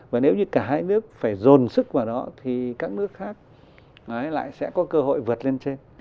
và nếu như cả hai nước phải dồn sức vào đó thì các nước khác lại sẽ có cơ hội vượt lên trên